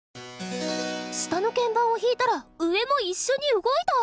下の鍵盤を弾いたら上も一緒に動いた！